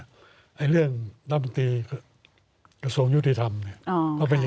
ประหลาดเรื่องต้ำรถดีกับส่งยุทธิธรรมนะโอ้โห